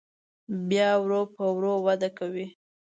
بیا ورو په ورو وده کوي.